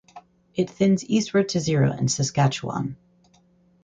It thins eastward to zero in Saskatchewan.